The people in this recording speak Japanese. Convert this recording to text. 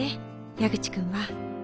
矢口君は。